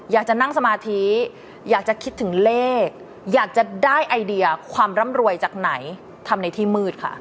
อยากจะนั่งสมาธิอยากจะคิดถึงเลขอยากจะได้ไอเดียความร่ำรวยจากไหนทำในที่มืดค่ะ